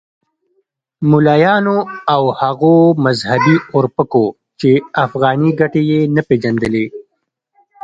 ملایانو او هغو مذهبي اورپکو چې افغاني ګټې یې نه پېژندلې.